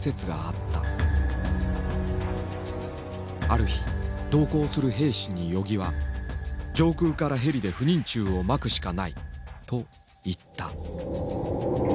ある日同行する兵士に与儀は「上空からヘリで不妊虫をまくしかない」と言った。